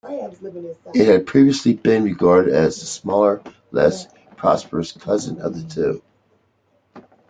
It had previously been regarded as the smaller, less prosperous cousin of the two.